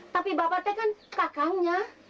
tapi bapak teh kan kakangnya